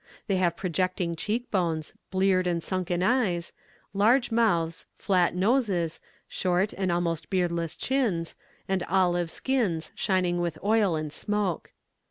They have projecting cheek bones, bleared and sunken eyes, large mouths, flat noses, short and almost beardless chins, and olive skins, shining with oil and smoke.